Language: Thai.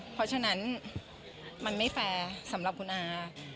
เพราะฉะนั้นมันไม่แฟร์สำหรับคุณอา